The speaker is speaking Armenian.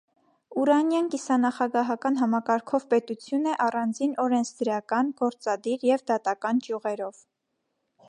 Ուրանիան կիսանախագահական համակարգով պետութիւն է առանձին օրենսդրական, գործադիր եւ դատական ճիւղերով։